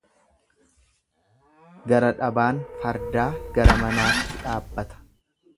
Gara dhabaan fardaa gara manaatti dhaabbata.